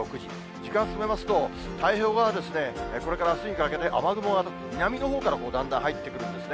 時間進めますと、太平洋側はこれからあすにかけて、雨雲が南のほうからだんだん入ってくるんですね。